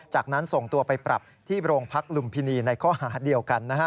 จากนั้นส่งตัวไปปรับที่โรงพักลุมพินีในข้อหาเดียวกัน